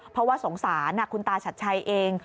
เพราะว่าสงสารคุณตาชัดชัยเอง